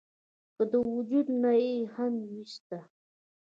کۀ د وجود نه ئې هم اوويستۀ ؟